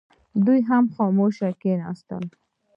دوی هم خاموش کښېنستل.